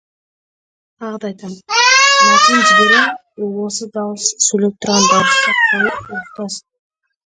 Наша дочь речистая, у нее речь чистая.